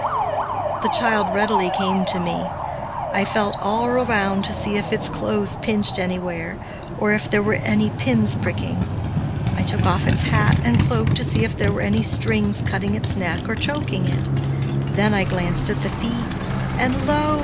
The child readily came to me. I felt all around to see if its clothes pinched anywhere, or if there were any pins pricking. I took off its hat and cloak to see if there were any strings cutting its neck or choking it. Then I glanced at the feet, and lo!